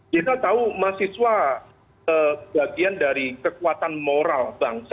kita tahu mahasiswa bagian dari kekuatan moral bangsa